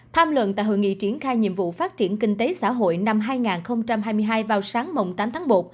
tham luận tại hội nghị triển khai nhiệm vụ phát triển kinh tế xã hội năm hai nghìn hai mươi hai vào sáng tám tháng một